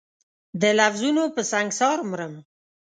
د لفظونو په سنګسار مرم